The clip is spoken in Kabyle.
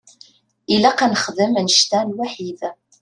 Ilaq ad nexdem annect-a lwaḥid.